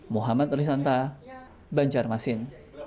muhammad risanta banjarmasin